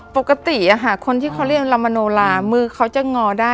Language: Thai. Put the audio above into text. ปกติคนที่เขาเรียกลามโนลามือเขาจะงอได้